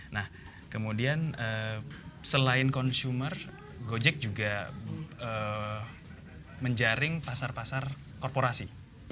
nah kemudian selain consumer gojek juga menjaring pasar pasar korporasi